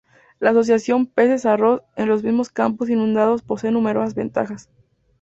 La asociación peces-arroz en los mismos campos inundados posee numerosas ventajas.